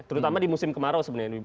terutama di musim kemarau sebenarnya